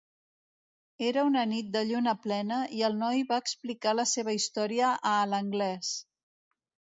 Era una nit de lluna plena i el noi va explicar la seva història a l'Anglès.